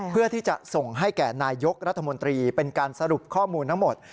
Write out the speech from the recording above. เพื่อที่จะส่งให้แก่นายกรัฐมนตรีเป็นการสรุปข้อมูลทั้งหมด